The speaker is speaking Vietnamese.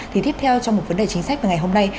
thì tiếp theo trong một vấn đề chính sách vào ngày hôm nay